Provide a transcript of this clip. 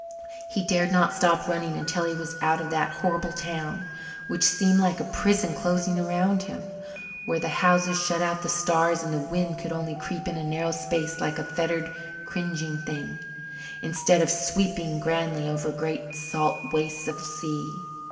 He dared not stop running until he was out of that horrible town, which seemed like a prison closing around him, where the houses shut out the stars and the wind could only creep in a narrow space like a fettered, cringing thing, instead of sweeping grandly over great salt wastes of sea.